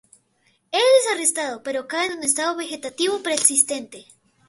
Él es arrestado, pero cae en un estado vegetativo persistente.